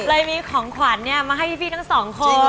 เลยมีของขวัญมาให้พี่ทั้งสองคน